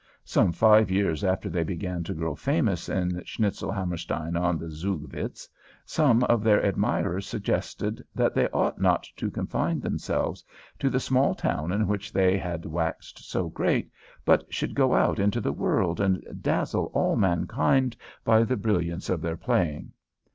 Some five years after they began to grow famous in Schnitzelhammerstein on the Zugvitz some of their admirers suggested that they ought not to confine themselves to the small town in which they had waxed so great, but should go out into the world and dazzle all mankind by the brilliance of their playing.